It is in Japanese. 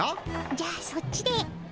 じゃそっちで。